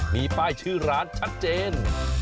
มีป้ายชื่อร้านชัดเจน